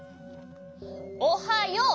おはよう！